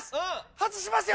外しますよ。